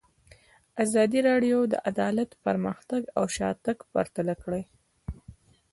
ازادي راډیو د عدالت پرمختګ او شاتګ پرتله کړی.